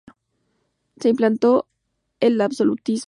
Se implantó el absolutismo.